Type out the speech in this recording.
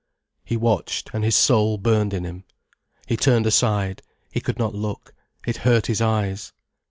He watched, and his soul burned in him. He turned aside, he could not look, it hurt his eyes.